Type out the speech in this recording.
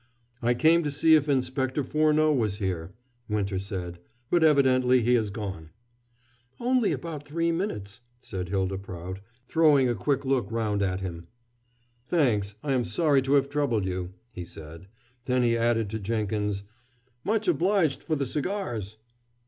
"I came to see if Inspector Furneaux was here," Winter said; "but evidently he has gone." "Only about three minutes," said Hylda Prout, throwing a quick look round at him. "Thanks I am sorry to have troubled you," he said. Then he added, to Jenkins: "Much obliged for the cigars!"